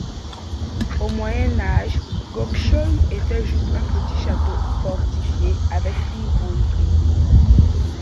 Au Moyen Âge, Göksholm était juste un petit château fortifiée avec une grande tour.